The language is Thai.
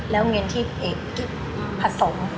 แล้วเงินที่เอกผสม